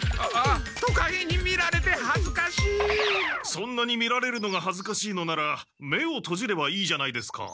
そんなに見られるのがはずかしいのなら目をとじればいいじゃないですか。